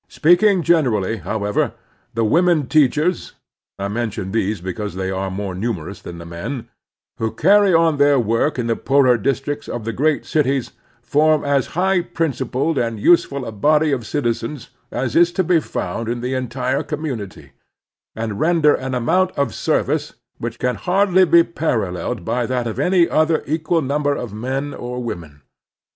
Speaking generally, however, the women teachers — I mention these because they are more numerous than the men — ^who carry on their work in the poorer districts of the great cities form as high principled and useful a body of citi zens as is to be found in the entire commimity, and render an amount of service which can hardly be paralleled by that of any other equal nimaber of men or women.